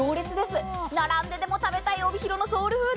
並んででも食べたい帯広のソウルフード。